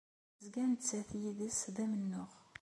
Tezga nettat yid-s d amennuɣ.